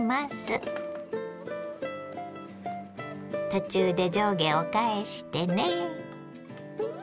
途中で上下を返してね。